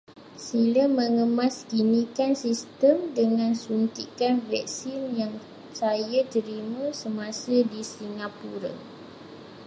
Sila mengemaskinikan sistem dengan suntikan vaksin yang saya terima semasa di Singapura.